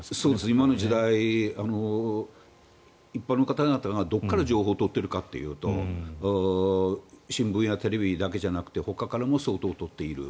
今の時代を一般の方々がどこから情報を取っているかというと新聞やテレビだけじゃなくてほかからも相当取っている。